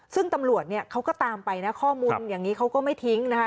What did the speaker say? ซึ่งตำรวจเนี่ยเขาก็ตามไปนะข้อมูลอย่างนี้เขาก็ไม่ทิ้งนะคะ